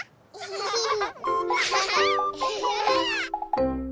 ウフフフ。